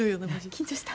緊張した。